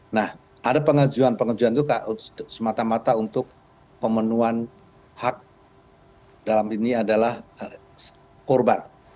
nah ada pengajuan pengajuan itu semata mata untuk pemenuhan hak dalam ini adalah korban